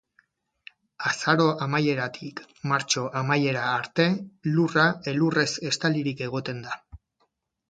Azaro amaieratik martxo amaiera arte, lurra elurrez estalirik egoten da.